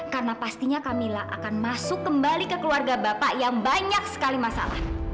karena pastinya kamila akan masuk kembali ke keluarga bapak yang banyak sekali masalah